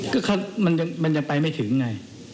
ก็มันจะไปไม่ถึงไง